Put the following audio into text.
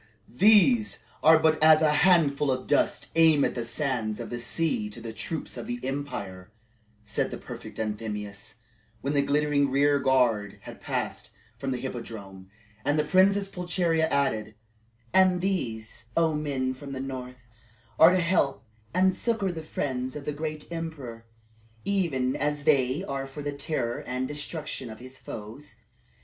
"These are but as a handful of dust amid the sands of the sea to the troops of the empire," said the prefect Anthemius, when the glittering rear guard had passed from the Hippodrome. And the Princess Pulcheria added, "And these, O men from the north, are to help and succor the friends of the great emperor, even as they are for the terror and destruction of his foes.